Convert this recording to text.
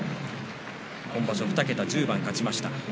今場所２桁１０番勝ちました。